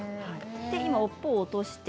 今尾っぽを落として。